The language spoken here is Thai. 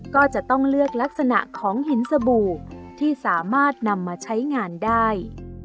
ก็จะต้องเลือกลักษณะของหินสบู่ที่สามารถนำมาใช้งานได้